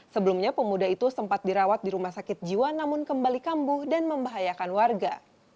sebelumnya pemuda itu sempat dirawat di rumah sakit jiwa namun kembali kambuh dan membahayakan warga